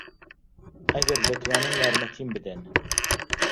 ئەگەر دەتوانن یارمەتیم بدەن.